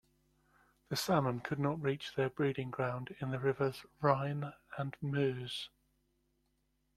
The salmon could not reach their breeding ground in the rivers Rhine and Meuse.